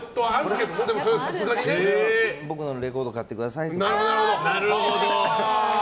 僕のレコード買ってくださいって。